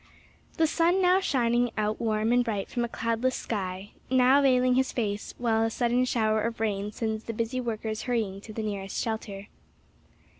The sun now shining out warm and bright from a cloudless sky, now veiling his face while a sudden shower of rain sends the busy workers hurrying to the nearest shelter.